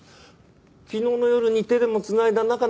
昨日の夜に手でも繋いだ仲なのか？